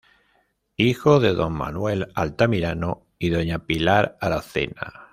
Hijo de don "Manuel Altamirano" y doña "Pilar Aracena".